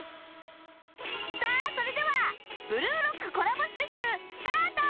さあ、それでは「ブルーロック」コラボスペシャル、スタート！